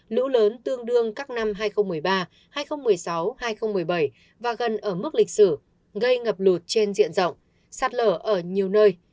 lũ lớn tương đương các năm hai nghìn một mươi ba hai nghìn một mươi sáu hai nghìn một mươi bảy và gần ở mức lịch sử gây ngập lụt trên diện rộng sạt lở ở nhiều nơi